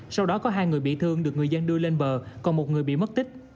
sau đó có hai người bị thương được người dân đưa lên bờ còn một người bị mất tích